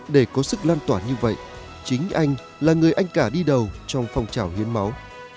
để có sức lan tỏa như vậy chính anh là người anh cả đi đầu trong phong trào hiến máu